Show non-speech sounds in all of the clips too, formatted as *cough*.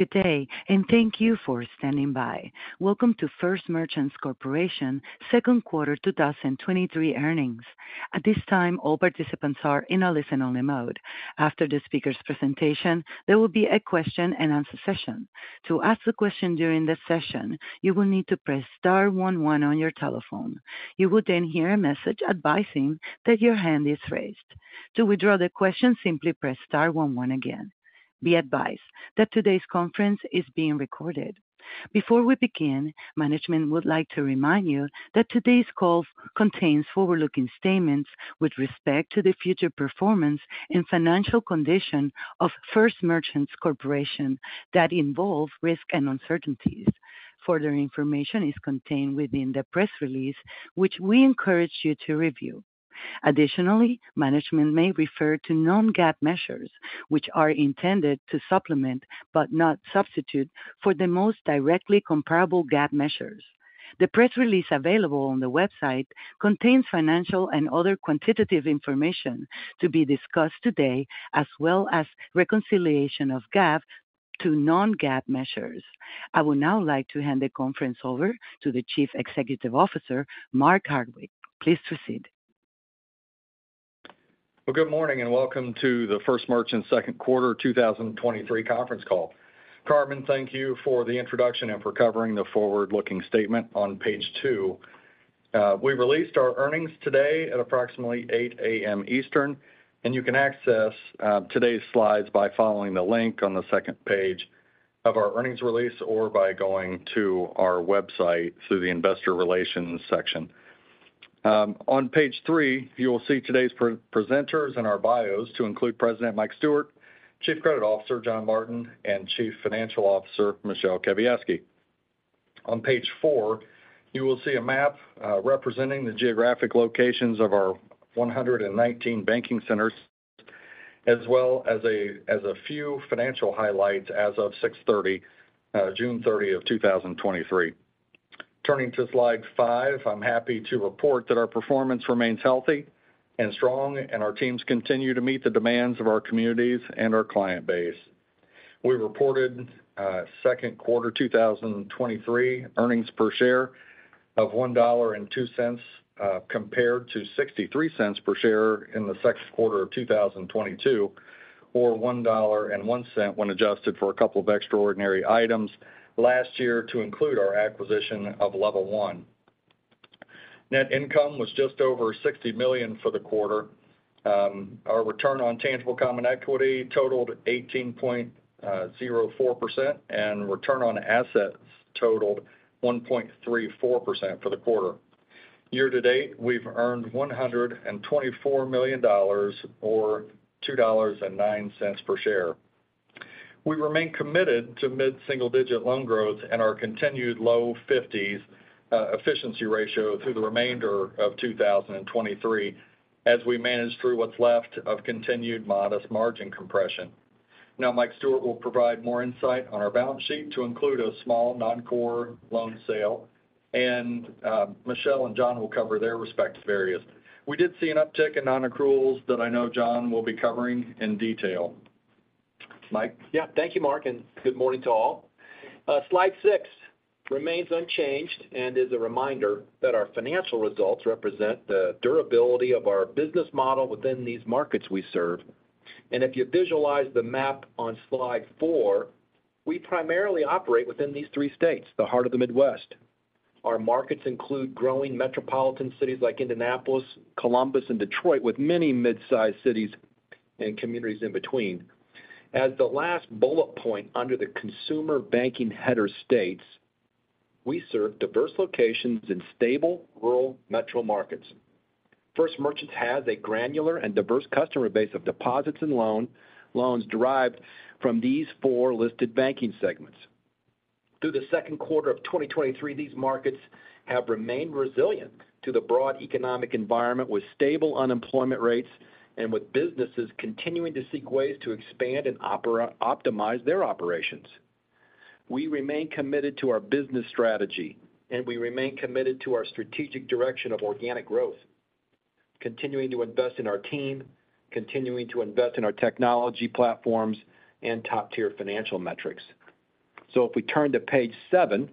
Good day. Thank you for standing by. Welcome to First Merchants Corporation second quarter 2023 earnings. At this time, all participants are in a listen-only mode. After the speaker's presentation, there will be a question-and-answer session. To ask a question during this session, you will need to press star one one on your telephone. You will hear a message advising that your hand is raised. To withdraw the question, simply press star one one again. Be advised that today's conference is being recorded. Before we begin, management would like to remind you that today's call contains forward-looking statements with respect to the future performance and financial condition of First Merchants Corporation that involve risk and uncertainties. Further information is contained within the press release, which we encourage you to review. Additionally, management may refer to non-GAAP measures, which are intended to supplement, but not substitute, for the most directly comparable GAAP measures. The press release available on the website contains financial and other quantitative information to be discussed today, as well as reconciliation of GAAP to non-GAAP measures. I would now like to hand the conference over to the Chief Executive Officer, Mark Hardwick. Please proceed. Well, good morning, welcome to the First Merchants second quarter 2023 conference call. Carmen, thank you for the introduction and for covering the forward-looking statement on page 2. We released our earnings today at approximately 8:00 A.M. Eastern, you can access today's slides by following the link on the second page of our earnings release or by going to our website through the investor relations section. On page 3, you will see today's pre-presenters and our bios, to include President Michael Stewart, Chief Credit Officer John Martin, and Chief Financial Officer Michele Kawiecki. On page 4, you will see a map representing the geographic locations of our 119 banking centers, as well as a few financial highlights as of June 30, 2023. Turning to slide five, I'm happy to report that our performance remains healthy and strong, and our teams continue to meet the demands of our communities and our client base. We reported second quarter 2023 earnings per share of $1.02 compared to $0.63 per share in the second quarter of 2022, or $1.01 when adjusted for a couple of extraordinary items last year to include our acquisition of Level One. Net income was just over $60 million for the quarter. Our return on tangible common equity totaled 18.04%, and return on assets totaled 1.34% for the quarter. Year to date, we've earned $124 million or $2.09 per share. We remain committed to mid-single-digit loan growth and our continued low 50s efficiency ratio through the remainder of 2023, as we manage through what's left of continued modest margin compression. Michael Stewart will provide more insight on our balance sheet to include a small non-core loan sale, and Michele and John will cover their respective areas. We did see an uptick in non-accruals that I know John will be covering in detail. Mike? Thank you, Mark, and good morning to all. Slide 6 remains unchanged and is a reminder that our financial results represent the durability of our business model within these markets we serve. If you visualize the map on slide 4, we primarily operate within these 3 states, the heart of the Midwest. Our markets include growing metropolitan cities like Indianapolis, Columbus, and Detroit, with many mid-sized cities and communities in between. As the last bullet point under the consumer banking header states, we serve diverse locations in stable, rural metro markets. First Merchants has a granular and diverse customer base of deposits and loans derived from these 4 listed banking segments. Through the second quarter of 2023, these markets have remained resilient to the broad economic environment, with stable unemployment rates and with businesses continuing to seek ways to expand and optimize their operations. We remain committed to our business strategy, and we remain committed to our strategic direction of organic growth, continuing to invest in our team, continuing to invest in our technology platforms and top-tier financial metrics. If we turn to page seven,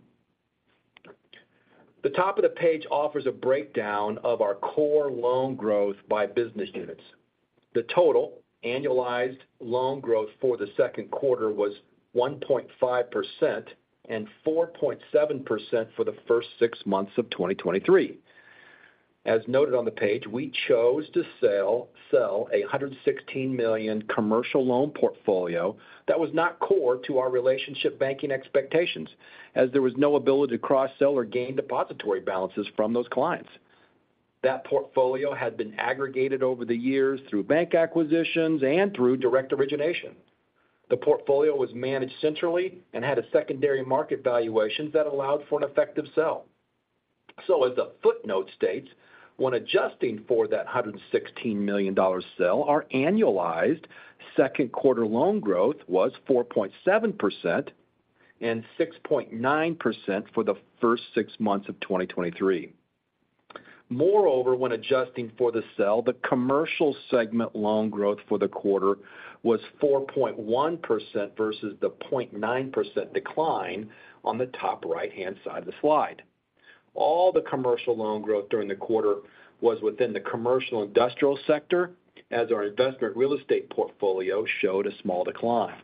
the top of the page offers a breakdown of our core loan growth by business units. The total annualized loan growth for the second quarter was 1.5% and 4.7% for the first six months of 2023. As noted on the page, we chose to sell a $116 million commercial loan portfolio that was not core to our relationship banking expectations, as there was no ability to cross-sell or gain depository balances from those clients. That portfolio had been aggregated over the years through bank acquisitions and through direct origination. The portfolio was managed centrally and had a secondary market valuation that allowed for an effective sell. As the footnote states, when adjusting for that $116 million sell, our annualized second quarter loan growth was 4.7% and 6.9% for the first six months of 2023. Moreover, when adjusting for the sale, the commercial segment loan growth for the quarter was 4.1% versus the 0.9% decline on the top right-hand side of the slide. All the commercial loan growth during the quarter was within the Commercial Industrial Sector, as our investment real estate portfolio showed a small decline.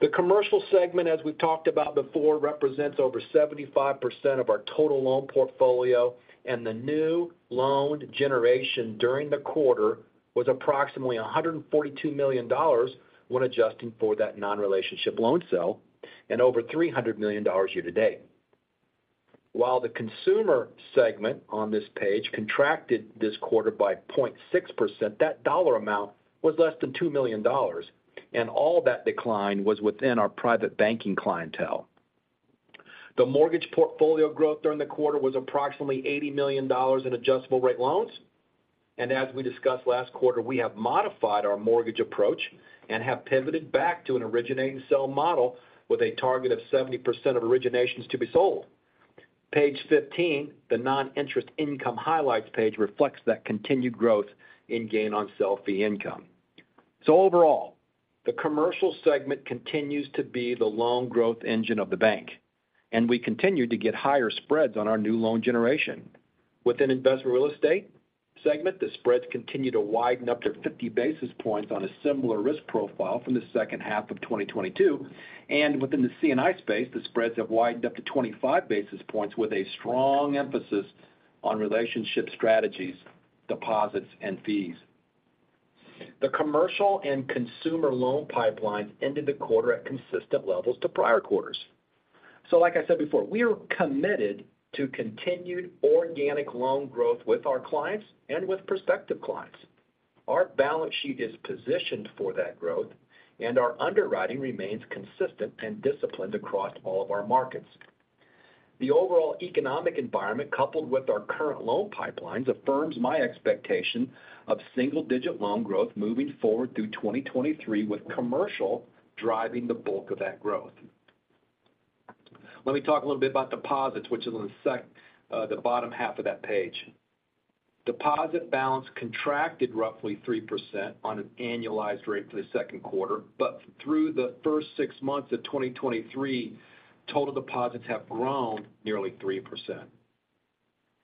The commercial segment, as we've talked about before, represents over 75% of our total loan portfolio, and the new loan generation during the quarter was approximately $142 million when adjusting for that non-relationship loan sale, and over $300 million year to date. While the consumer segment on this page contracted this quarter by 0.6%, that dollar amount was less than $2 million, and all that decline was within our private banking clientele. The mortgage portfolio growth during the quarter was approximately $80 million in adjustable rate loans, and as we discussed last quarter, we have modified our mortgage approach and have pivoted back to an originate and sell model with a target of 70% of originations to be sold. Page 15, the non-interest income highlights page, reflects that continued growth in gain on sale fee income. Overall, the commercial segment continues to be the loan growth engine of the bank, and we continue to get higher spreads on our new loan generation. Within investment real estate segment, the spreads continue to widen up to 50 basis points on a similar risk profile from the second half of 2022, within the C&I space, the spreads have widened up to 25 basis points, with a strong emphasis on relationship strategies, deposits, and fees. The commercial and consumer loan pipelines ended the quarter at consistent levels to prior quarters. Like I said before, we are committed to continued organic loan growth with our clients and with prospective clients. Our balance sheet is positioned for that growth, and our underwriting remains consistent and disciplined across all of our markets. The overall economic environment, coupled with our current loan pipelines, affirms my expectation of single-digit loan growth moving forward through 2023, with commercial driving the bulk of that growth. Let me talk a little bit about deposits, which is on the bottom half of that page. Deposit balance contracted roughly 3% on an annualized rate for the second quarter, but through the first 6 months of 2023, total deposits have grown nearly 3%.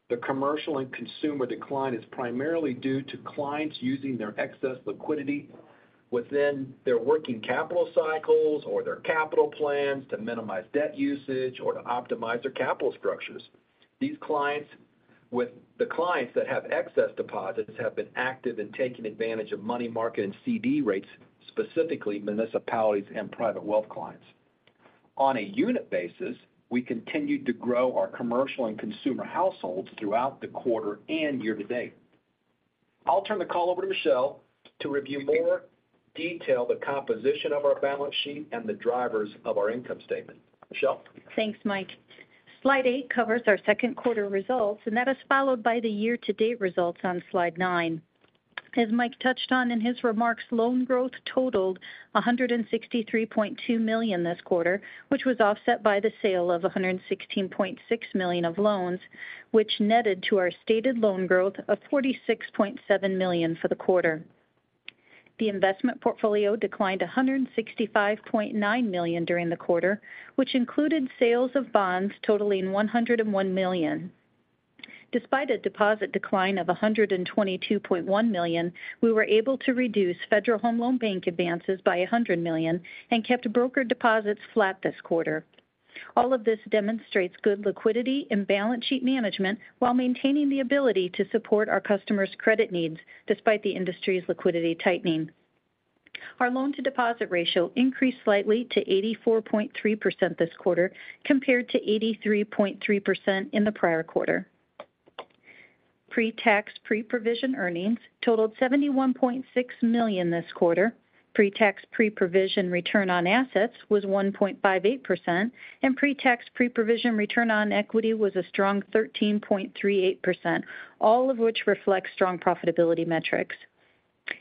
The commercial and consumer decline is primarily due to clients using their excess liquidity within their working capital cycles or their capital plans to minimize debt usage or to optimize their capital structures. These clients that have excess deposits, have been active in taking advantage of money market and CD rates, specifically municipalities and private wealth clients. On a unit basis, we continued to grow our commercial and consumer households throughout the quarter and year to date. I'll turn the call over to Michele to review more detail, the composition of our balance sheet and the drivers of our income statement. Michele? Thanks, Mike. Slide 8 covers our second quarter results. That is followed by the year-to-date results on slide 9. As Mike touched on in his remarks, loan growth totaled $163.2 million this quarter, which was offset by the sale of $116.6 million of loans, which netted to our stated loan growth of $46.7 million for the quarter. The investment portfolio declined $165.9 million during the quarter, which included sales of bonds totaling $101 million. Despite a deposit decline of $122.1 million, we were able to reduce Federal Home Loan Bank advances by $100 million and kept broker deposits flat this quarter. All of this demonstrates good liquidity and balance sheet management while maintaining the ability to support our customers' credit needs despite the industry's liquidity tightening. Our loan to deposit ratio increased slightly to 84.3% this quarter, compared to 83.3% in the prior quarter. Pre-tax, pre-provision earnings totaled $71.6 million this quarter. Pre-tax, pre-provision return on assets was 1.58%, and pre-tax, pre-provision return on equity was a strong 13.38%, all of which reflects strong profitability metrics.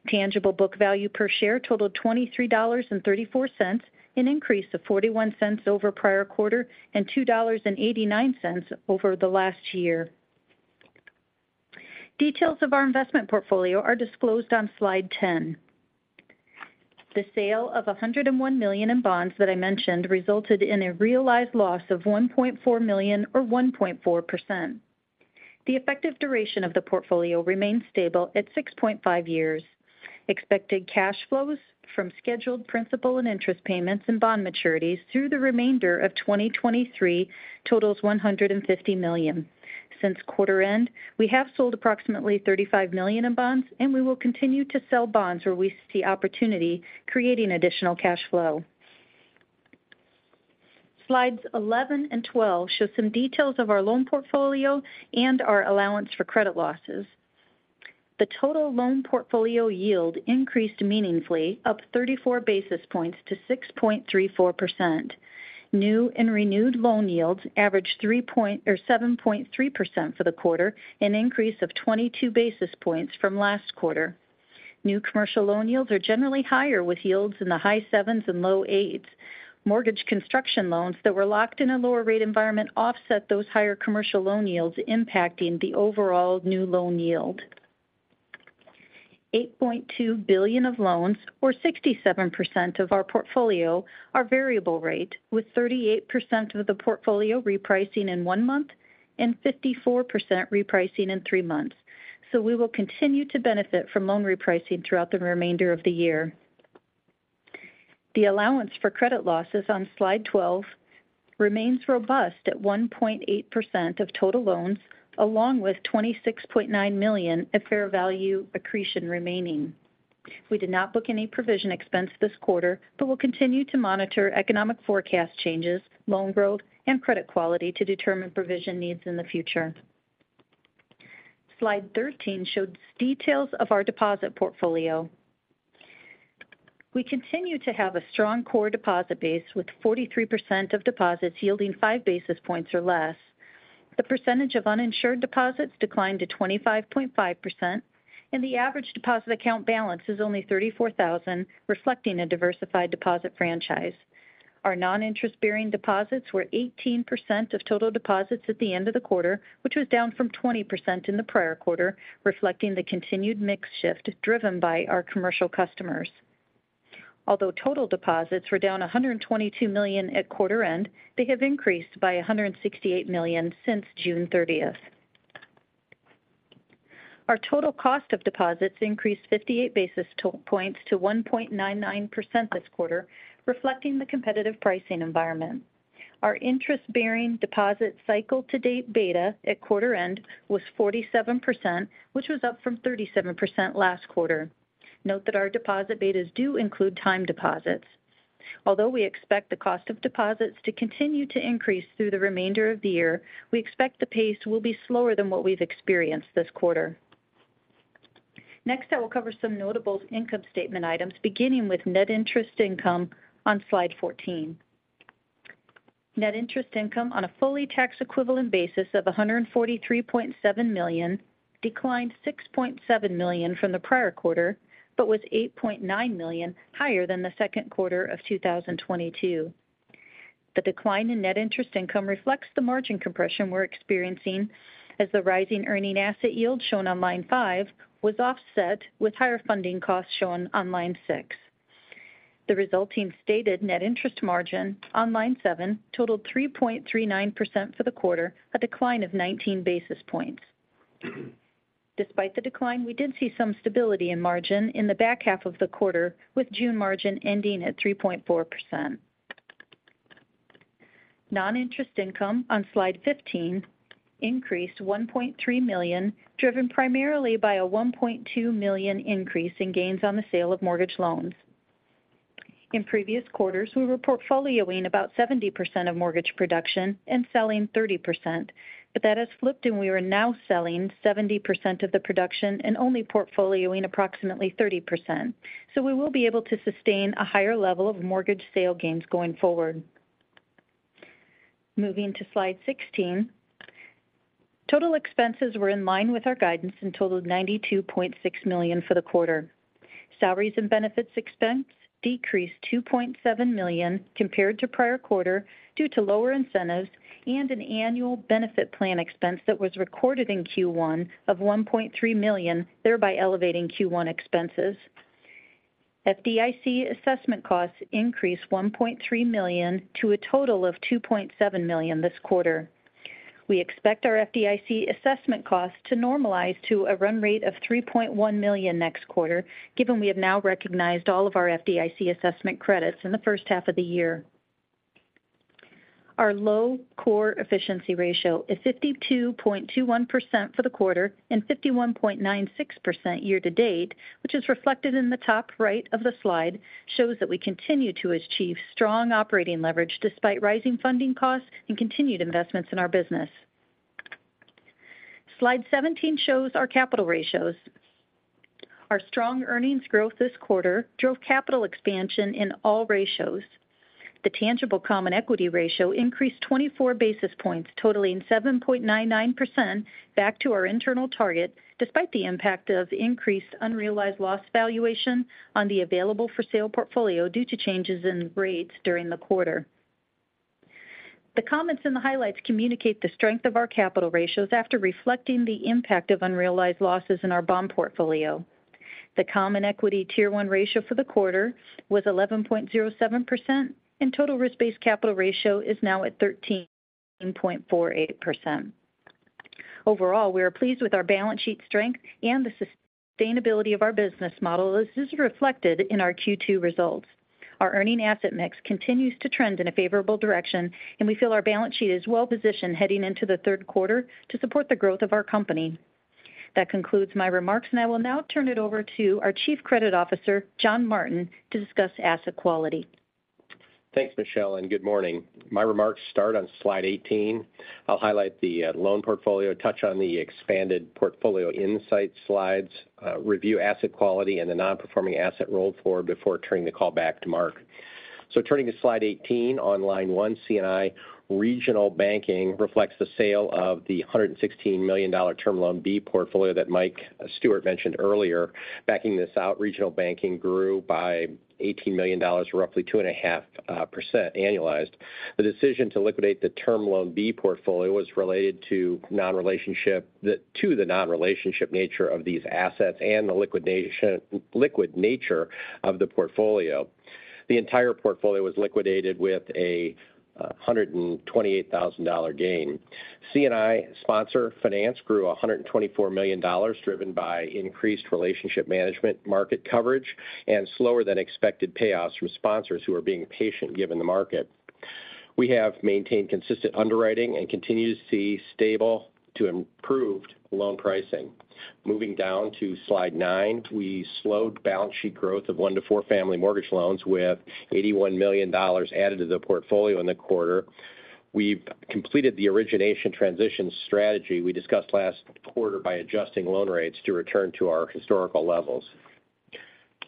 Tangible book value per share totaled $23.34, an increase of $0.41 over prior quarter and $2.89 over the last year. Details of our investment portfolio are disclosed on slide 10. The sale of $101 million in bonds that I mentioned resulted in a realized loss of $1.4 million or 1.4%. The effective duration of the portfolio remains stable at 6.5 years. Expected cash flows from scheduled principal and interest payments and bond maturities through the remainder of 2023 totals $150 million. Since quarter end, we have sold approximately $35 million in bonds, we will continue to sell bonds where we see opportunity creating additional cash flow. Slides 11 and 12 show some details of our loan portfolio and our allowance for credit losses. The total loan portfolio yield increased meaningfully, up 34 basis points to 6.34%. New and renewed loan yields averaged 7.3% for the quarter, an increase of 22 basis points from last quarter.... New commercial loan yields are generally higher, with yields in the high 7s and low 8s. Mortgage construction loans that were locked in a lower rate environment offset those higher commercial loan yields, impacting the overall new loan yield. $8.2 billion of loans, or 67% of our portfolio, are variable rate, with 38% of the portfolio repricing in 1 month and 54% repricing in 3 months. We will continue to benefit from loan repricing throughout the remainder of the year. The allowance for credit losses on Slide 12 remains robust at 1.8% of total loans, along with $26.9 million at fair value accretion remaining. We did not book any provision expense this quarter, but will continue to monitor economic forecast changes, loan growth, and credit quality to determine provision needs in the future. Slide 13 shows details of our deposit portfolio. We continue to have a strong core deposit base, with 43% of deposits yielding 5 basis points or less. The percentage of uninsured deposits declined to 25.5%, and the average deposit account balance is only $34,000, reflecting a diversified deposit franchise. Our non-interest bearing deposits were 18% of total deposits at the end of the quarter, which was down from 20% in the prior quarter, reflecting the continued mix shift driven by our commercial customers. Although total deposits were down $122 million at quarter end, they have increased by $168 million since June 30th. Our total cost of deposits increased 58 basis points to 1.99% this quarter, reflecting the competitive pricing environment. Our interest bearing deposit cycle to date beta at quarter end was 47%, which was up from 37% last quarter. Note that our deposit betas do include time deposits. We expect the cost of deposits to continue to increase through the remainder of the year, we expect the pace will be slower than what we've experienced this quarter. Next, I will cover some notable income statement items, beginning with net interest income on slide 14. Net interest income on a fully taxable equivalent basis of $143.7 million declined $6.7 million from the prior quarter, but was $8.9 million higher than the second quarter of 2022. The decline in net interest income reflects the margin compression we're experiencing as the rising earning asset yield, shown on line five, was offset with higher funding costs shown on line six. The resulting stated net interest margin on line seven totaled 3.39% for the quarter, a decline of 19 basis points. Despite the decline, we did see some stability in margin in the back half of the quarter, with June margin ending at 3.4%. Non-interest income on slide 15 increased $1.3 million, driven primarily by a $1.2 million increase in gains on the sale of mortgage loans. In previous quarters, we were portfolioing about 70% of mortgage production and selling 30%, but that has flipped, and we are now selling 70% of the production and only portfolioing approximately 30%. We will be able to sustain a higher level of mortgage sale gains going forward. Moving to slide 16. Total expenses were in line with our guidance and totaled $92.6 million for the quarter. Salaries and benefits expense decreased $2.7 million compared to prior quarter due to lower incentives and an annual benefit plan expense that was recorded in Q1 of $1.3 million, thereby elevating Q1 expenses. FDIC assessment costs increased $1.3 million to a total of $2.7 million this quarter. We expect our FDIC assessment costs to normalize to a run rate of $3.1 million next quarter, given we have now recognized all of our FDIC assessment credits in the first half of the year. Our low core efficiency ratio is 52.21% for the quarter and 51.96% year to date, which is reflected in the top right of the slide, shows that we continue to achieve strong operating leverage despite rising funding costs and continued investments in our business. Slide 17 shows our capital ratios. Our strong earnings growth this quarter drove capital expansion in all ratios. The tangible common equity ratio increased 24 basis points, totaling 7.99% back to our internal target, despite the impact of increased unrealized loss valuation on the available for sale portfolio due to changes in rates during the quarter. The comments in the highlights communicate the strength of our capital ratios after reflecting the impact of unrealized losses in our bond portfolio. The common equity tier 1 ratio for the quarter was 11.07%. Total risk-based capital ratio is now at 13.48%. Overall, we are pleased with our balance sheet strength and the sustainability of our business model, as is reflected in our Q2 results. Our earning asset mix continues to trend in a favorable direction. We feel our balance sheet is well positioned heading into the third quarter to support the growth of our company. That concludes my remarks. I will now turn it over to our Chief Credit Officer, John Martin, to discuss asset quality. Thanks, Michele, and good morning. My remarks start on slide 18. I'll highlight the loan portfolio, touch on the expanded portfolio insight slides, review asset quality, and the non-performing asset roll forward before turning the call back to Mark. Turning to slide 18, on line one, C&I regional banking reflects the sale of the $116 million Term Loan B portfolio that Mike Stewart mentioned earlier. Backing this out, regional banking grew by $18 million, roughly 2.5% annualized. The decision to liquidate the Term Loan B portfolio was related to the non-relationship nature of these assets and the liquid nature of the portfolio. The entire portfolio was liquidated with a $128,000 gain. C&I sponsor finance grew $124 million, driven by increased relationship management market coverage and slower than expected payoffs from sponsors who are being patient given the market. We have maintained consistent underwriting and continue to see stable to improved loan pricing. Moving down to slide 9, we slowed balance sheet growth of 1-4 family mortgage loans, with $81 million added to the portfolio in the quarter. We've completed the origination transition strategy we discussed last quarter by adjusting loan rates to return to our historical levels.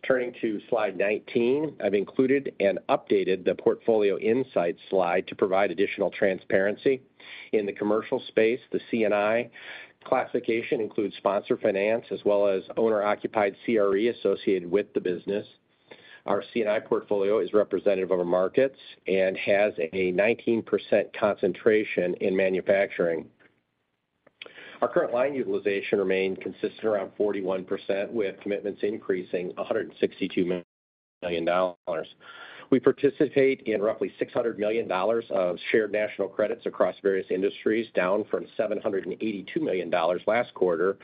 Turning to slide 19, I've included and updated the portfolio insights slide to provide additional transparency. In the commercial space, the C&I classification includes sponsor finance as well as owner-occupied CRE associated with the business. Our C&I portfolio is representative of our markets and has a 19% concentration in manufacturing. Our current line utilization remained consistent, around 41%, with commitments increasing $162 million. We participate in roughly $600 million of Shared National Credits across various industries, down from $782 million last quarter,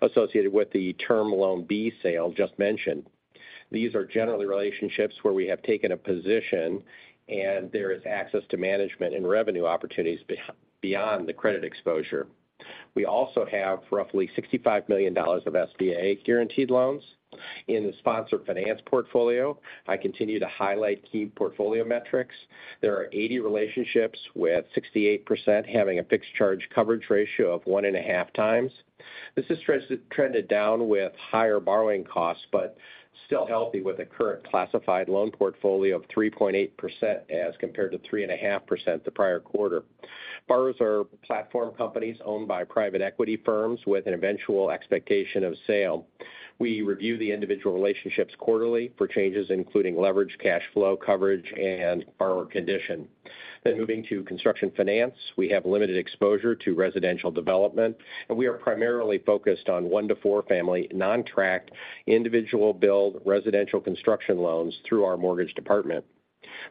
associated with the Term Loan B sale just mentioned. These are generally relationships where we have taken a position and there is access to management and revenue opportunities beyond the credit exposure. We also have roughly $65 million of SBA guaranteed loans. In the sponsor finance portfolio, I continue to highlight key portfolio metrics. There are 80 relationships, with 68% having a fixed charge coverage ratio of 1.5x. This has trended down with higher borrowing costs, but still healthy, with a current classified loan portfolio of 3.8% as compared to 3.5% the prior quarter. Borrowers are platform companies owned by private equity firms with an eventual expectation of sale. We review the individual relationships quarterly for changes, including leverage, cash flow coverage, and borrower condition. Moving to construction finance, we have limited exposure to residential development, and we are primarily focused on 1 to 4 family, non-tract individual build, residential construction loans through our mortgage department.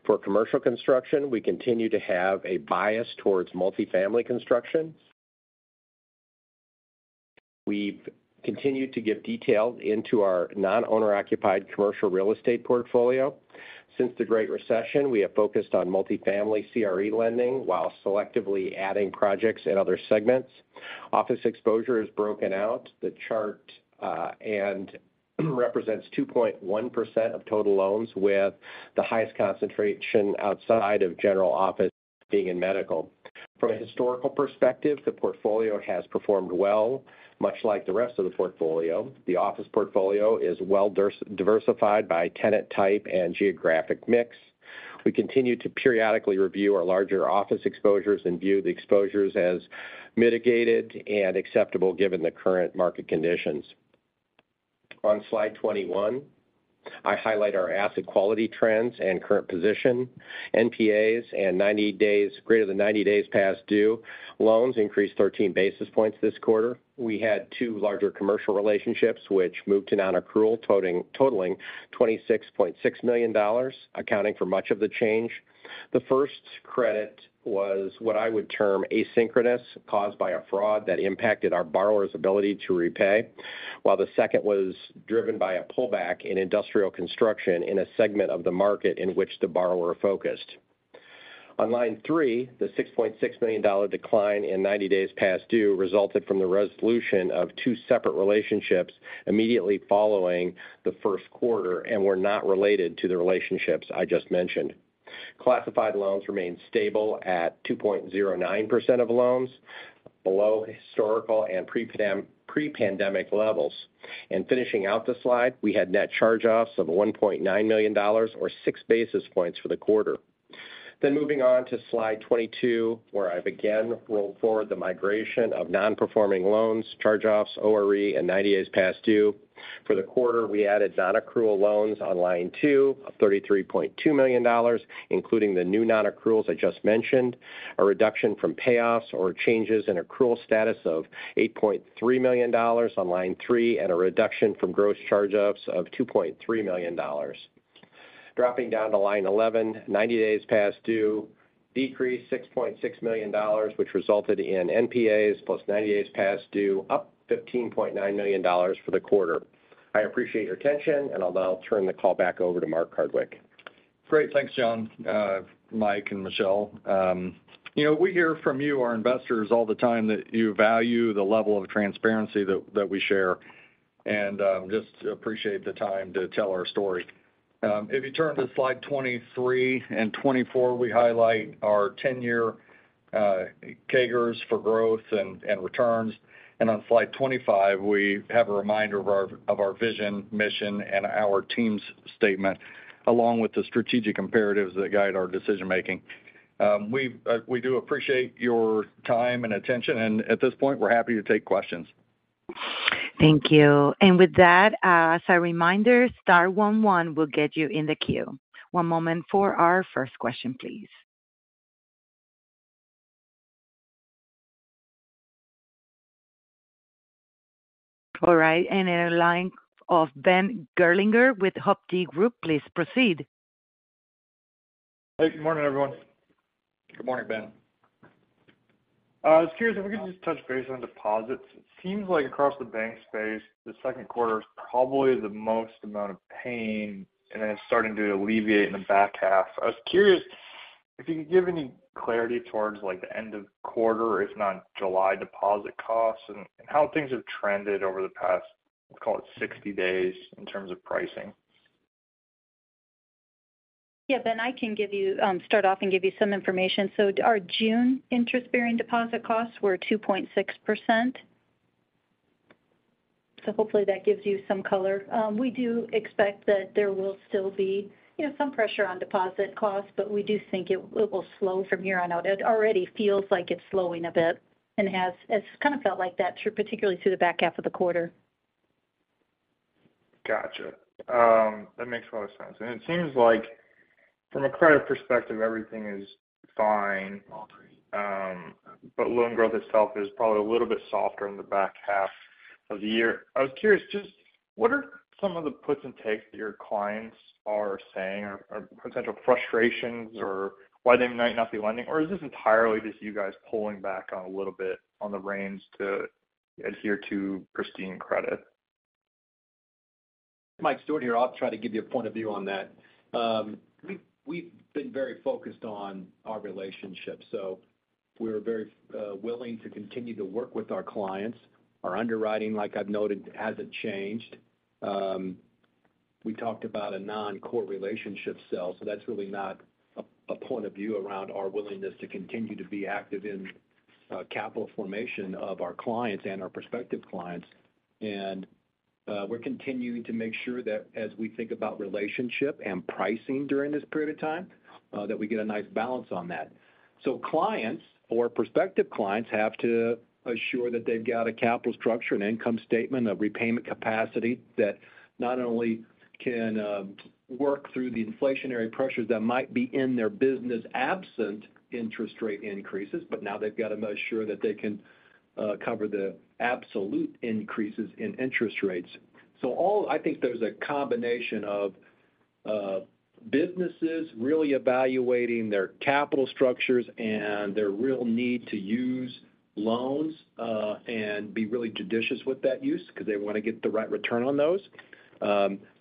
For commercial construction, we continue to have a bias towards multifamily construction. We've continued to give detail into our non-owner-occupied commercial real estate portfolio. Since the Great Recession, we have focused on multifamily CRE lending while selectively adding projects in other segments. Office exposure is broken out the chart, and represents 2.1% of total loans, with the highest concentration outside of general office being in medical. From a historical perspective, the portfolio has performed well, much like the rest of the portfolio. The office portfolio is well diversified by tenant type and geographic mix. We continue to periodically review our larger office exposures and view the exposures as mitigated and acceptable given the current market conditions. On slide 21, I highlight our asset quality trends and current position. NPAs and greater than 90 days past due loans increased 13 basis points this quarter. We had two larger commercial relationships which moved to non-accrual, totaling $26.6 million, accounting for much of the change. The first credit was what I would term asynchronous, caused by a fraud that impacted our borrower's ability to repay, while the second was driven by a pullback in industrial construction in a segment of the market in which the borrower focused. On line 3, the $6.6 million decline in 90 days past due resulted from the resolution of two separate relationships immediately following the first quarter and were not related to the relationships I just mentioned. Classified loans remained stable at 2.09% of loans, below historical and pre-pandemic levels. Finishing out the slide, we had net charge-offs of $1.9 million, or 6 basis points for the quarter. Moving on to slide 22, where I've again rolled forward the migration of non-performing loans, charge-offs, ORE, and 90 days past due. For the quarter, we added non-accrual loans on line 2 of $33.2 million, including the new non-accruals I just mentioned, a reduction from payoffs or changes in accrual status of $8.3 million on line 3, and a reduction from gross charge-offs of $2.3 million. Dropping down to line 11, 90 days past due decreased $6.6 million, which resulted in NPAs plus 90 days past due, up $15.9 million for the quarter. I appreciate your attention. I'll now turn the call back over to Mark Hardwick. Great. Thanks, John, Mike, and Michelle. You know, we hear from you, our investors, all the time, that you value the level of transparency that we share, and just appreciate the time to tell our story. If you turn to slide 23 and 24, we highlight our 10-year CAGRs for growth and returns. On slide 25, we have a reminder of our vision, mission, and our team's statement, along with the strategic imperatives that guide our decision making. We do appreciate your time and attention, and at this point, we're happy to take questions. Thank you. With that, as a reminder, star 1 will get you in the queue. One moment for our first question, please. All right, a line of Ben Gerlinger with Hovde Group. Please proceed. Hey, good morning, everyone. Good morning, Ben. I was curious if we could just touch base on deposits. It seems like across the bank space, the second quarter is probably the most amount of pain, and then it's starting to alleviate in the back half. I was curious if you could give any clarity towards, like, the end of quarter, if not July, deposit costs and how things have trended over the past, call it 60 days in terms of pricing. Yeah, Ben, I can give you, start off and give you some information. Our June interest-bearing deposit costs were 2.6%. Hopefully that gives you some color. We do expect that there will still be, you know, some pressure on deposit costs, but we do think it will slow from here on out. It already feels like it's slowing a bit and it's kind of felt like that through, particularly through the back half of the quarter. Gotcha. That makes a lot of sense. It seems like from a credit perspective, everything is fine. Loan growth itself is probably a little bit softer in the back half of the year. I was curious, just what are some of the puts and takes that your clients are saying or potential frustrations or why they might not be lending? Is this entirely just you guys pulling back on a little bit on the reins to adhere to pristine credit? Michael Stewart here. I'll try to give you a point of view on that. We've been very focused on our relationships, so we're very willing to continue to work with our clients. Our underwriting, like I've noted, hasn't changed. We talked about a non-core relationship sell, so that's really not a point of view around our willingness to continue to be active in capital formation of our clients and our prospective clients. We're continuing to make sure that as we think about relationship and pricing during this period of time, that we get a nice balance on that. Clients or prospective clients have to assure that they've got a capital structure, an income statement, a repayment capacity that not only can work through the inflationary pressures that might be in their business, absent interest rate increases, but now they've got to make sure that they can cover the absolute increases in interest rates. I think there's a combination of businesses really evaluating their capital structures and their real need to use loans and be really judicious with that use because they want to get the right return on those.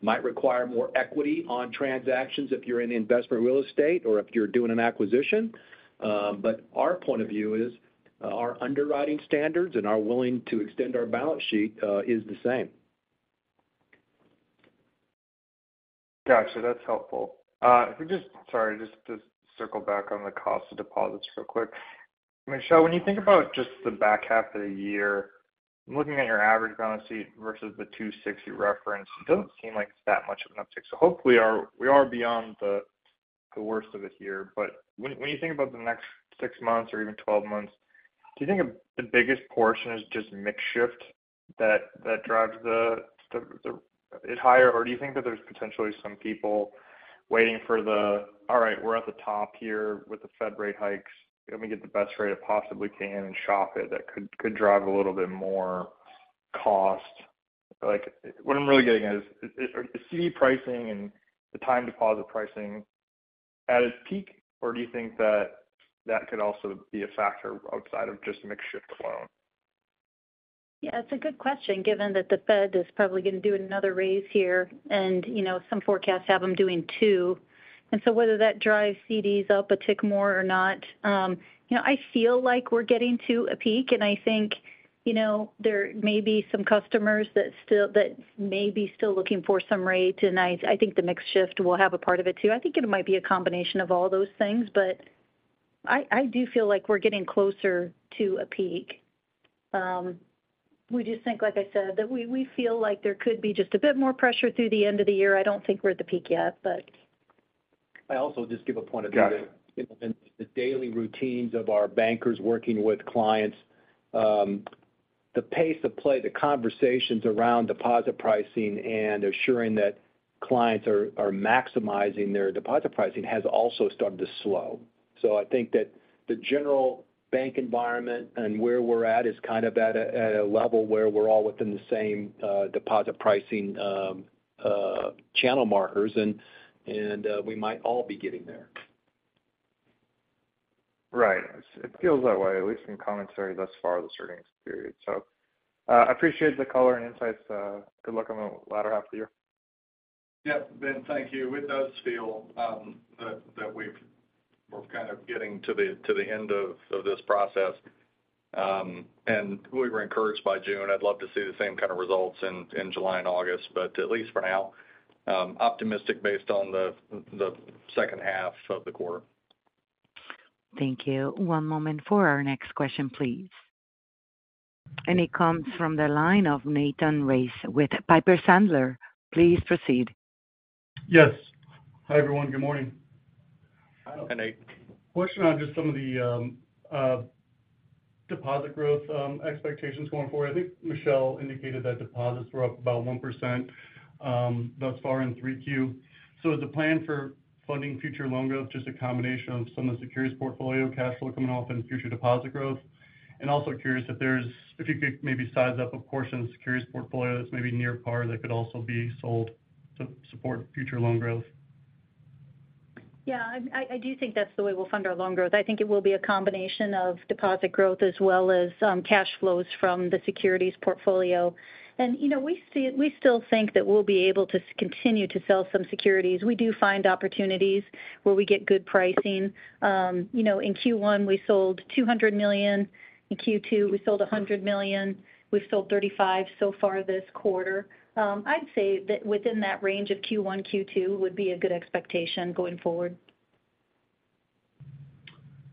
Might require more equity on transactions if you're in investment real estate or if you're doing an acquisition. Our point of view is, our underwriting standards and our willing to extend our balance sheet is the same. Gotcha. That's helpful. If we just sorry, just to circle back on the cost of deposits real quick. Michele, when you think about just the back half of the year, looking at your average balance sheet versus the 260 reference, it doesn't seem like it's that much of an uptick. Hopefully we are beyond the worst of it here. When you think about the next 6 months or even 12 months, do you think the biggest portion is just mix shift that drives it higher? Do you think that there's potentially some people waiting for the, "All right, we're at the top here with the Fed rate hikes. Let me get the best rate I possibly can and shop it," that could drive a little bit more cost? Like, what I'm really getting at is CD pricing and the time deposit pricing at its peak, or do you think that could also be a factor outside of just mix shift alone? Yeah, it's a good question, given that the Fed is probably going to do another raise here, you know, some forecasts have them doing two. Whether that drives CDs up a tick more or not, you know, I feel like we're getting to a peak, and I think, you know, there may be some customers that may be still looking for some rates. I think the mix shift will have a part of it, too. I think it might be a combination of all those things, but I do feel like we're getting closer to a peak. We just think, like I said, that we feel like there could be just a bit more pressure through the end of the year. I don't think we're at the peak yet, but... I also just give a point of view. *crosstalk* Got it. In the daily routines of our bankers working with clients, the pace of play, the conversations around deposit pricing and assuring that clients are maximizing their deposit pricing has also started to slow. I think that the general bank environment and where we're at is kind of at a level where we're all within the same deposit pricing channel markers, and we might all be getting there. Right. It feels that way, at least in commentary thus far this earnings period. Appreciate the color and insights. Good luck on the latter half of the year. Yep, Ben, thank you. It does feel that we're kind of getting to the end of this process. We were encouraged by June. I'd love to see the same kind of results in July and August, but at least for now, optimistic based on the second half of the quarter. Thank you. One moment for our next question, please. It comes from the line of Nathan Race with Piper Sandler. Please proceed. Yes. Hi, everyone. Good morning. Hi, Nate. Question on just some of the deposit growth expectations going forward. I think Michele indicated that deposits were up about 1% thus far in 3Q. Is the plan for funding future loan growth just a combination of some of the securities portfolio, cash flow coming off and future deposit growth? Also curious if you could maybe size up, of course, in the securities portfolio that's maybe near par, that could also be sold to support future loan growth. Yeah, I do think that's the way we'll fund our loan growth. I think it will be a combination of deposit growth as well as cash flows from the securities portfolio. You know, we still think that we'll be able to continue to sell some securities. We do find opportunities where we get good pricing. You know, in Q1, we sold $200 million. In Q2, we sold $100 million. We've sold $35 so far this quarter. I'd say that within that range of Q1, Q2 would be a good expectation going forward.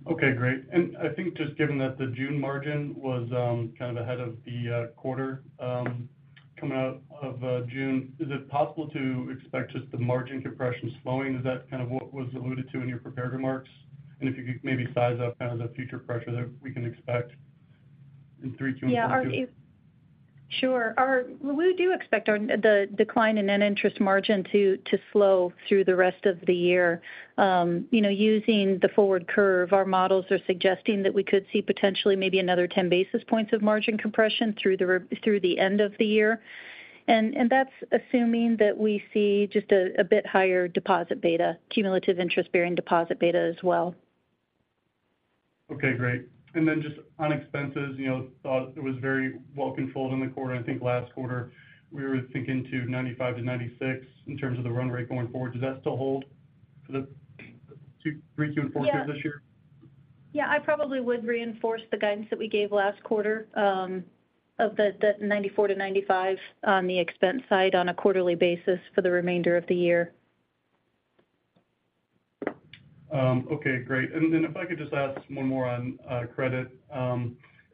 Okay, great. I think just given that the June margin was kind of ahead of the quarter, coming out of June, is it possible to expect just the margin compression slowing? Is that kind of what was alluded to in your prepared remarks? If you could maybe size up kind of the future pressure that we can expect in three, two- Yeah. Sure. We do expect our the decline in net interest margin to slow through the rest of the year. you know, using the forward curve, our models are suggesting that we could see potentially maybe another 10 basis points of margin compression through the end of the year. That's assuming that we see just a bit higher deposit beta, cumulative interest-bearing deposit beta as well. Okay, great. Just on expenses, you know, thought it was very well controlled in the quarter. I think last quarter, we were thinking to $95-$96 in terms of the run rate going forward. Does that still hold for the 2Q, 3Q, and 4Q this year? Yeah, I probably would reinforce the guidance that we gave last quarter, of the $94 million-$95 million on the expense side on a quarterly basis for the remainder of the year. Okay, great. If I could just ask one more on credit.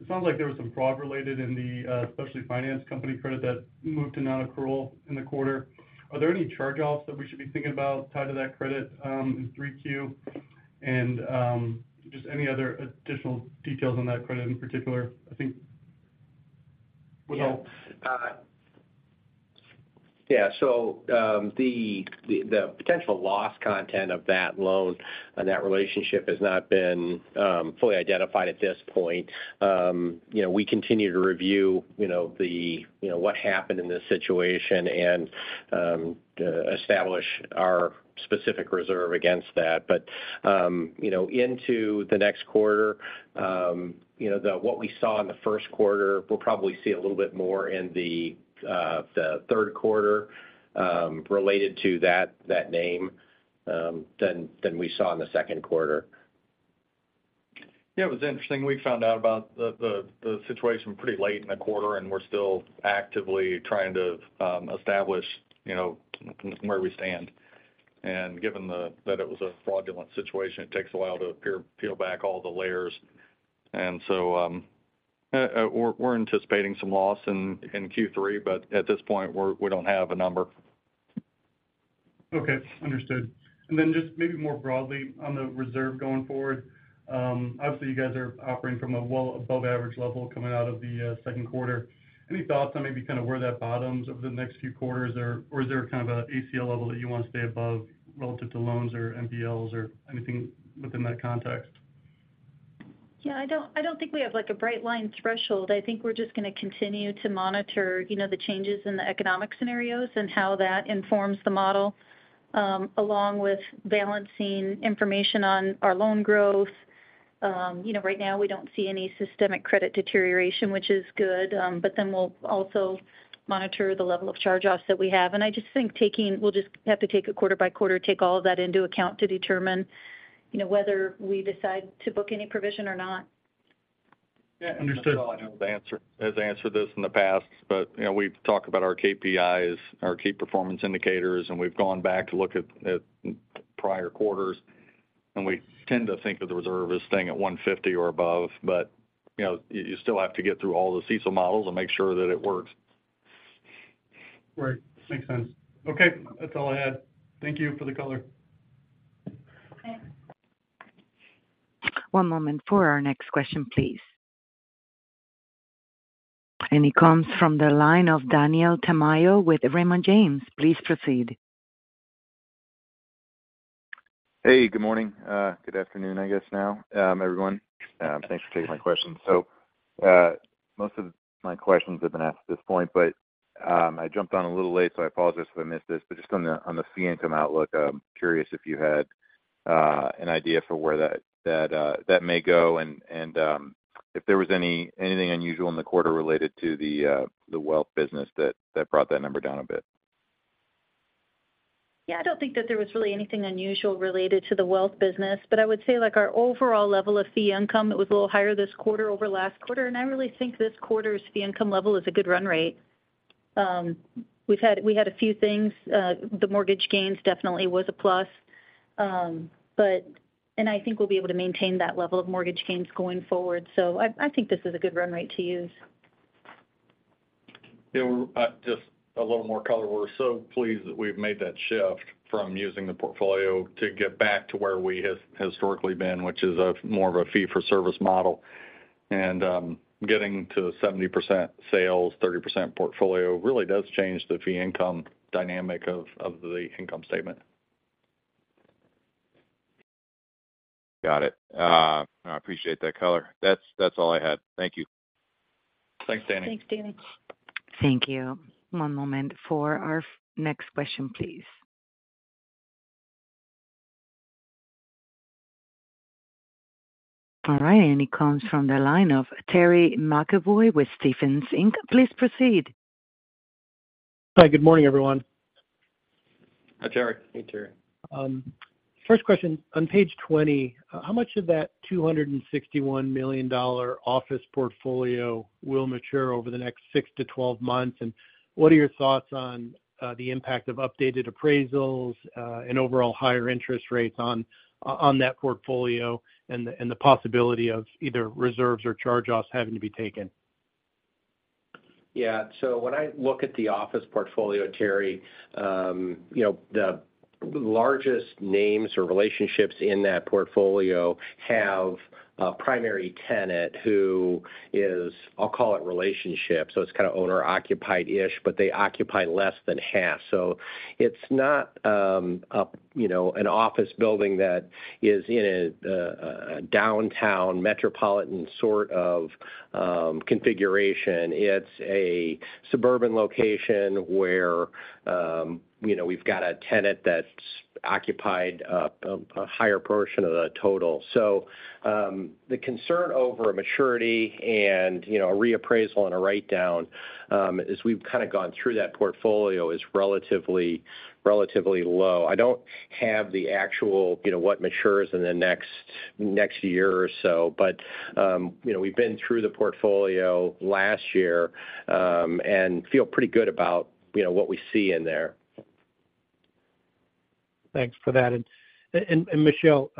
It sounds like there was some fraud related in the specialty finance company credit that moved to nonaccrual in the quarter. Are there any charge-offs that we should be thinking about tied to that credit in 3Q? Just any other additional details on that credit in particular, I think would help. The potential loss content of that loan and that relationship has not been fully identified at this point. You know, we continue to review, you know, what happened in this situation and establish our specific reserve against that. You know, into the next quarter, you know, what we saw in the first quarter, we'll probably see a little bit more in the third quarter related to that name than we saw in the second quarter. Yeah, it was interesting. We found out about the situation pretty late in the quarter, we're still actively trying to establish, you know, where we stand. Given that it was a fraudulent situation, it takes a while to peel back all the layers. We're anticipating some loss in Q3, but at this point, we don't have a number. Okay, understood. Just maybe more broadly on the reserve going forward, obviously, you guys are operating from a well above average level coming out of the second quarter. Any thoughts on maybe kind of where that bottoms over the next few quarters? Or is there kind of an ACL level that you want to stay above relative to loans or NPLs or anything within that context? I don't think we have, like, a bright line threshold. I think we're just going to continue to monitor, you know, the changes in the economic scenarios and how that informs the model, along with balancing information on our loan growth. You know, right now, we don't see any systemic credit deterioration, which is good, we'll also monitor the level of charge-offs that we have. I just think we'll just have to take it quarter by quarter, take all of that into account to determine, you know, whether we decide to book any provision or not. Yeah, understood. Michele, I know, has answered this in the past. You know, we've talked about our KPIs, our key performance indicators, and we've gone back to look at prior quarters. We tend to think of the reserve as staying at 150 or above. You know, you still have to get through all the CECL models and make sure that it works. Right. Makes sense. Okay, that's all I had. Thank you for the color. Thanks. One moment for our next question, please. It comes from the line of Daniel Tamayo with Raymond James. Please proceed. Hey, good morning. Good afternoon, I guess now, everyone. Thanks for taking my questions. Most of my questions have been asked at this point, but I jumped on a little late, so I apologize if I missed this, but just on the fee income outlook, I'm curious if you had an idea for where that may go and if there was anything unusual in the quarter related to the wealth business that brought that number down a bit. Yeah, I don't think that there was really anything unusual related to the wealth business, I would say, like, our overall level of fee income, it was a little higher this quarter over last quarter, I really think this quarter's fee income level is a good run rate. We had a few things. The mortgage gains definitely was a plus. I think we'll be able to maintain that level of mortgage gains going forward. I think this is a good run rate to use. Yeah, just a little more color. We're so pleased that we've made that shift from using the portfolio to get back to where we has historically been, which is a more of a fee-for-service model. Getting to 70% sales, 30% portfolio really does change the fee income dynamic of the income statement. Got it. I appreciate that color. That's all I had. Thank you. Thanks, Danny. Thanks, Danny. Thank you. One moment for our next question, please. All right, it comes from the line of Terry McEvoy with Stephens Inc. Please proceed. Hi, good morning, everyone. Hi, Terry. Hey, Terry. First question. On page 20, how much of that $261 million office portfolio will mature over the next 6-12 months? What are your thoughts on the impact of updated appraisals, and overall higher interest rates on that portfolio and the possibility of either reserves or charge-offs having to be taken? Yeah. When I look at the office portfolio, Terry, you know, the largest names or relationships in that portfolio have a primary tenant who is, I'll call it relationship. It's kind of owner occupied-ish, but they occupy less than half. It's not, a, you know, an office building that is in a downtown metropolitan sort of, configuration. It's a suburban location where, you know, we've got a tenant that's occupied, a higher portion of the total. The concern over a maturity and, you know, a reappraisal and a write-down, as we've kind of gone through that portfolio, is relatively low. I don't have the actual, you know, what matures in the next year or so. You know, we've been through the portfolio last year. Feel pretty good about, you know, what we see in there. Thanks for that. Michele,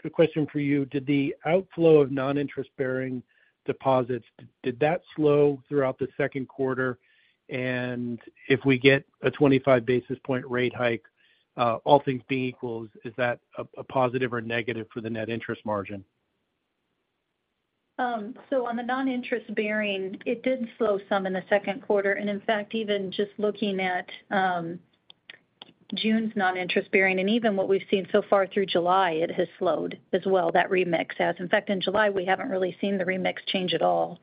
quick question for you. Did the outflow of non-interest-bearing deposits, did that slow throughout the second quarter? If we get a 25 basis point rate hike, all things being equals, is that a positive or negative for the net interest margin? On the non-interest-bearing, it did slow some in the second quarter, and in fact, even just looking at June's non-interest-bearing, and even what we've seen so far through July, it has slowed as well. That remix has. In fact, in July, we haven't really seen the remix change at all.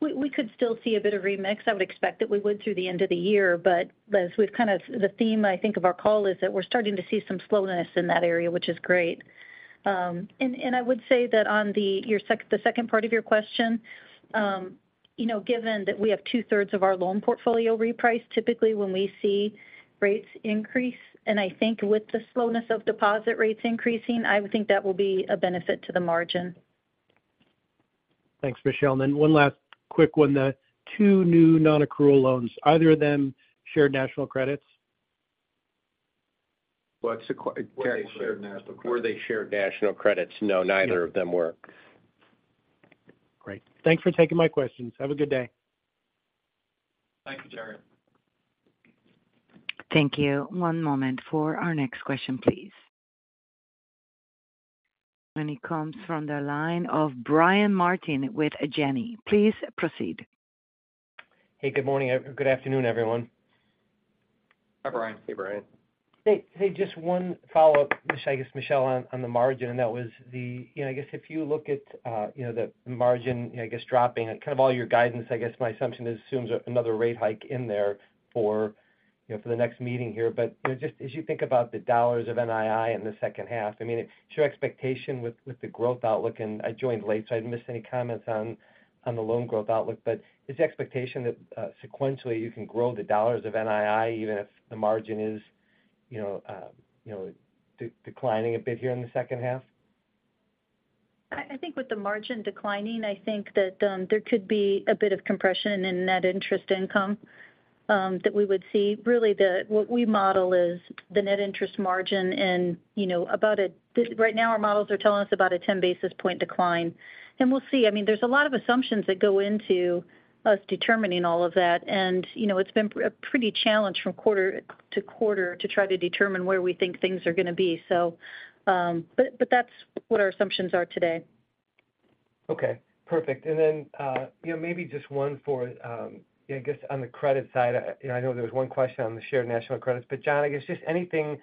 We, we could still see a bit of remix. I would expect that we would through the end of the year, but as we've kind of the theme, I think, of our call is that we're starting to see some slowness in that area, which is great. I would say that the second part of your question, you know, given that we have 2/3 of our loan portfolio repriced, typically when we see rates increase, and I think with the slowness of deposit rates increasing, I would think that will be a benefit to the margin. Thanks, Michele. One last quick one. The two new nonaccrual loans, either of them Shared National Credits? What's the Shared National Credits? Were they Shared National Credits? No, neither of them were. Great. Thanks for taking my questions. Have a good day. Thank you, Terry. Thank you. One moment for our next question, please. It comes from the line of Brian Martin with Janney. Please proceed. Hey, good morning, good afternoon, everyone. Hi, Brian. Hey, Brian. Hey, just one follow-up, I guess, Michele, on the margin, and that was the. You know, I guess if you look at, you know, the margin, I guess, dropping and kind of all your guidance, I guess my assumption is assumes another rate hike in there for, you know, for the next meeting here. Just as you think about the dollars of NII in the second half, I mean, is your expectation with the growth outlook, and I joined late, so I didn't miss any comments on the loan growth outlook, but is the expectation that sequentially you can grow the dollars of NII, even if the margin is, you know, declining a bit here in the second half? I think with the margin declining, I think that there could be a bit of compression in net interest income that we would see. Really, what we model is the net interest margin and, you know, about a right now, our models are telling us about a 10 basis point decline, and we'll see. I mean, there's a lot of assumptions that go into us determining all of that. You know, it's been a pretty challenge from quarter to quarter to try to determine where we think things are going to be. But that's what our assumptions are today. Okay, perfect. You know, maybe just one for, I guess, on the credit side. You know, I know there was one question on the Shared National Credits. John, I guess just anything,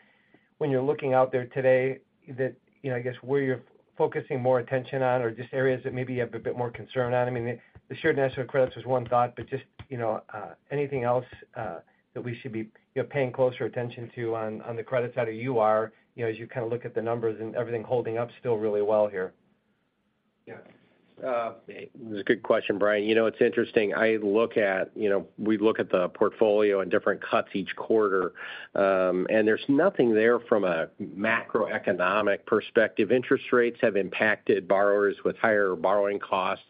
when you're looking out there today that, you know, I guess, where you're focusing more attention on or just areas that maybe you have a bit more concern on. I mean, the Shared National Credits is one thought, but just, you know, anything else that we should be, you know, paying closer attention to on the credit side, or you are, you know, as you kind of look at the numbers and everything holding up still really well here? It's a good question, Brian. You know, it's interesting. I look at, you know, we look at the portfolio in different cuts each quarter. There's nothing there from a macroeconomic perspective. Interest rates have impacted borrowers with higher borrowing costs. ...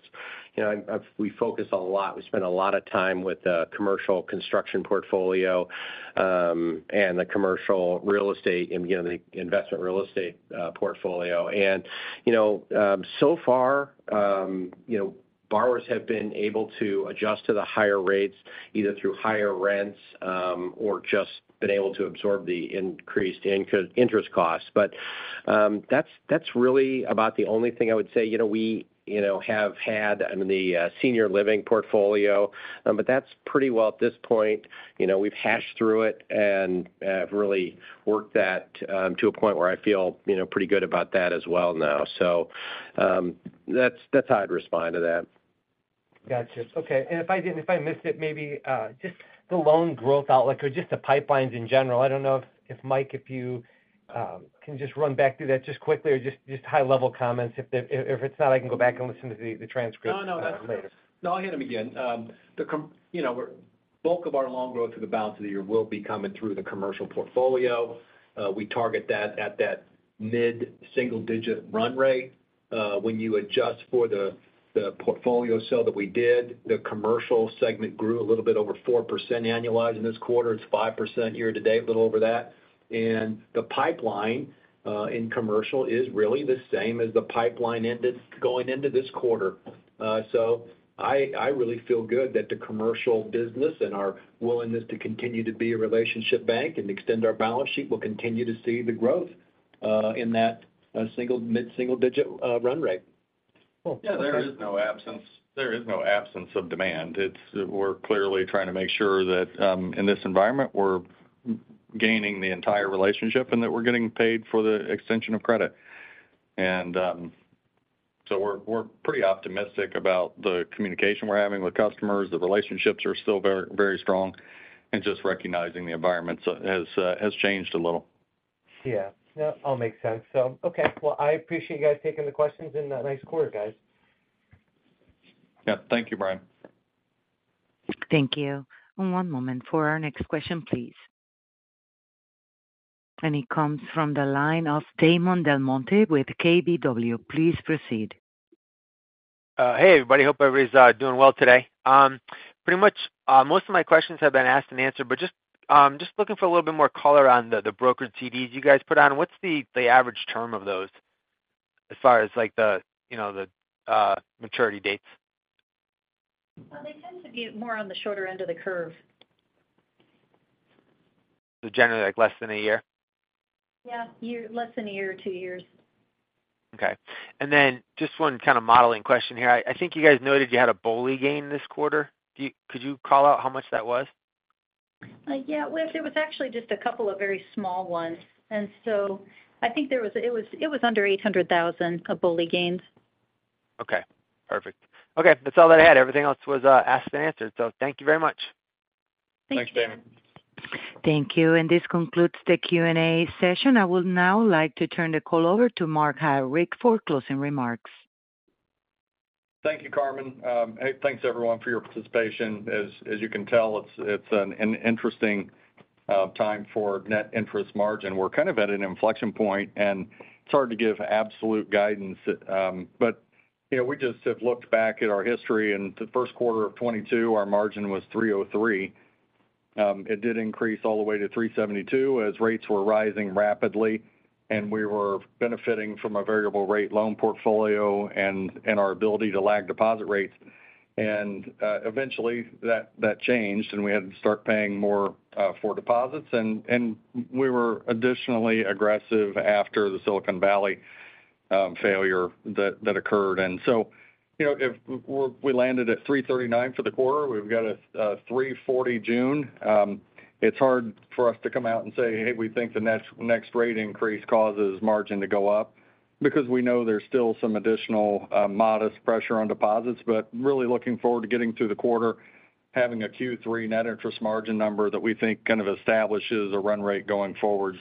you know, I've we focus a lot, we spend a lot of time with the commercial construction portfolio, and the commercial real estate and, again, the investment real estate portfolio. You know, so far, you know, borrowers have been able to adjust to the higher rates, either through higher rents, or just been able to absorb the increased interest costs. That's, that's really about the only thing I would say. You know, we, you know, have had, I mean, the senior living portfolio, but that's pretty well at this point. You know, we've hashed through it and have really worked that to a point where I feel, you know, pretty good about that as well now. That's, that's how I'd respond to that. Gotcha. Okay, if I missed it, maybe, just the loan growth outlook or just the pipelines in general. I don't know if Mike, if you can just run back through that just quickly or just high-level comments. If it's not, I can go back and listen to the transcript later. No, no. No, I'll hit them again. The you know, bulk of our loan growth for the balance of the year will be coming through the commercial portfolio. We target that at that mid-single-digit run rate. When you adjust for the portfolio sale that we did, the commercial segment grew a little bit over 4% annualized in this quarter. It's 5% year to date, a little over that. The pipeline in commercial is really the same as the pipeline ended going into this quarter. I really feel good that the commercial business and our willingness to continue to be a relationship bank and extend our balance sheet will continue to see the growth in that single, mid-single digit run rate. Cool. Yeah, there is no absence of demand. It's, we're clearly trying to make sure that in this environment, we're gaining the entire relationship and that we're getting paid for the extension of credit. We're pretty optimistic about the communication we're having with customers. The relationships are still very, very strong just recognizing the environment so has changed a little. Yeah. Yeah, all makes sense. Okay. Well, I appreciate you guys taking the questions, nice quarter, guys. Yeah. Thank you, Brian. Thank you. One moment for our next question, please. It comes from the line of Damon DelMonte with KBW. Please proceed. Hey, everybody. Hope everybody's doing well today. Pretty much, most of my questions have been asked and answered, but just looking for a little bit more color on the brokered CDs you guys put on. What's the average term of those as far as, like, the, you know, the maturity dates? Well, they tend to be more on the shorter end of the curve. Generally, like, less than a year? Yeah, year, less than a year or 2 years. Okay. Then just one kind of modeling question here. I think you guys noted you had a BOLI gain this quarter. Could you call out how much that was? Yeah, well, it was actually just a couple of very small ones, and so I think there was. It was under $800,000 of BOLI gains. Okay, perfect. Okay. That's all that I had. Everything else was asked and answered. Thank you very much. Thank you. Thanks, Damon. Thank you. This concludes the Q&A session. I would now like to turn the call over to Mark Hardwick for closing remarks. Thank you, Carmen. Hey, thanks, everyone, for your participation. As you can tell, it's an interesting time for net interest margin. We're kind of at an inflection point, it's hard to give absolute guidance. You know, we just have looked back at our history, the first quarter of 2022, our margin was 3.03%. It did increase all the way to 3.72% as rates were rising rapidly, and our ability to lag deposit rates. Eventually, that changed, and we had to start paying more for deposits. We were additionally aggressive after the Silicon Valley failure that occurred. You know, if we landed at 3.39% for the quarter, we've got a 3.40% June. It's hard for us to come out and say, "Hey, we think the next rate increase causes margin to go up," because we know there's still some additional modest pressure on deposits. Really looking forward to getting through the quarter, having a Q3 net interest margin number that we think kind of establishes a run rate going forward.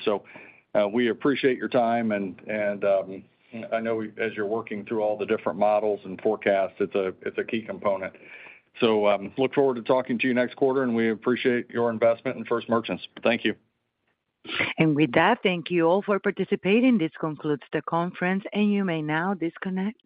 We appreciate your time, and I know as you're working through all the different models and forecasts, it's a key component. Look forward to talking to you next quarter, and we appreciate your investment in First Merchants. Thank you. With that, thank you all for participating. This concludes the conference, and you may now disconnect.